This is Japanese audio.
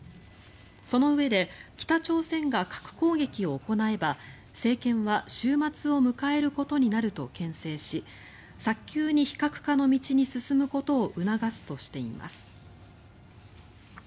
そのうえで北朝鮮が核攻撃を行えば政権は終末を迎えることになるとけん制し早急に非核化の道に進むことを促すとしています。